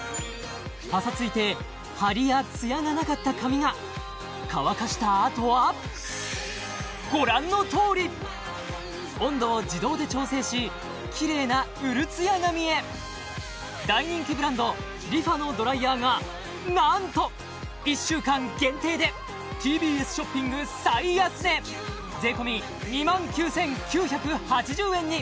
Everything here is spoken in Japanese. パサついて張りや艶がなかった髪が乾かしたあとはご覧のとおり温度を自動で調整しキレイなうる艶髪へ大人気ブランドＲｅＦａのドライヤーがなんと１週間限定でＴＢＳショッピング最安値さあ